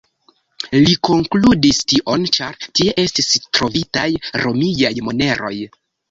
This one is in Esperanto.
Li konkludis tion, ĉar tie estis trovitaj romiaj moneroj.